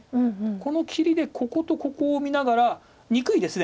この切りでこことここを見ながら憎いですね。